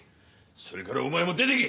それからお前も出て行け！